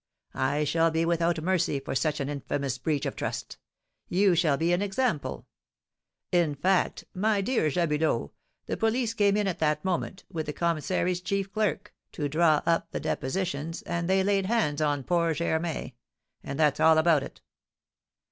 I shall be without mercy for such an infamous breach of trust; you shall be an example.' In fact, my dear Jabulot, the police came in at that moment, with the commissary's chief clerk, to draw up the depositions, and they laid hands on poor Germain; and that's all about it."